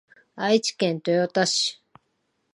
愛知県豊田市